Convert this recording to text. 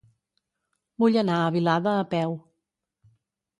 Vull anar a Vilada a peu.